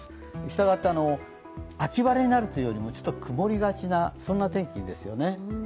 したがって、秋晴れになるというよりも曇りがちな天気ですよね。